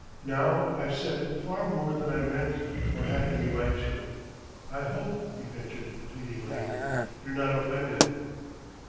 Now I've said far more than I meant or had any right to. I hope," he ventured pleadingly "you're not offended."